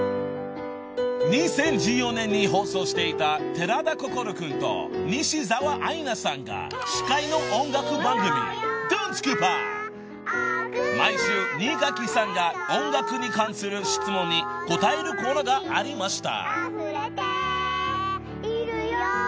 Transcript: ［２０１４年に放送していた寺田心君と西澤愛菜さんが司会の音楽番組『どぅんつくぱ』］［毎週新垣さんが音楽に関する質問に答えるコーナーがありました］